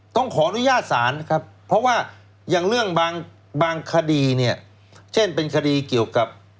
ต้องขออนุญาตศาลนะครับเพราะว่าอย่างเรื่องบางคดีเนี่ยเช่นเป็นคดีเกี่ยวกับ